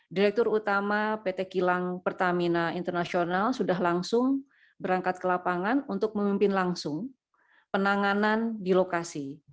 direktur utama pt kilang pertamina internasional sudah langsung berangkat ke lapangan untuk memimpin langsung penanganan di lokasi